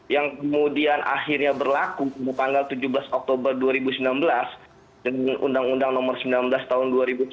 yang kemudian akhirnya berlaku pada tanggal tujuh belas oktober dua ribu sembilan belas dengan undang undang nomor sembilan belas tahun dua ribu tujuh belas